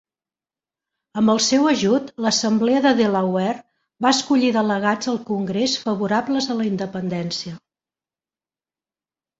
Amb el seu ajut, l'Assemblea de Delaware va escollir delegats al Congrés favorables a la independència.